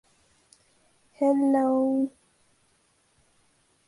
The album includes the singles "Dear You" and "Modern Day Frankenstein".